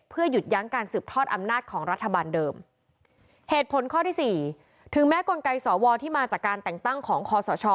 เพื่อหยุดยั้งการสืบทอดอำนาจของรัฐบาลเดิมเหตุผลข้อที่สี่ถึงแม้กลไกสวที่มาจากการแต่งตั้งของคอสช